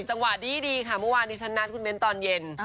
จังหวะดีค่ะเมื่อวานนี้ฉันนัดคุณเบ้นตอนเย็น